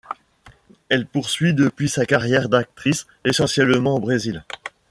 Elle poursuit depuis sa carrière d'actrice, essentiellement au Brésil.